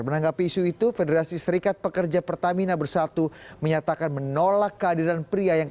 menanggapi isu itu federasi serikat pekerja pertamina bersatu menyatakan menolak kehadiran pria yang